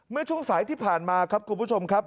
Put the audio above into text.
เมื่อช่วงสายที่ผ่านมาครับคุณผู้ชมครับ